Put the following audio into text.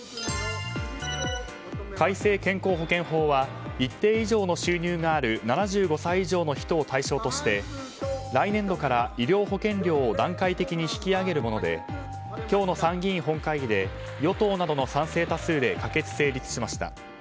改正健康保険法は一定以上の収入がある７５歳以上の人を対象として来年度から医療保険料を段階的に引き上げるもので今日の参議院本会議で与党などの賛成多数で可決・成立しました。